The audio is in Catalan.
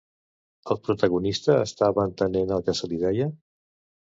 El protagonista estava entenent el que se li deia?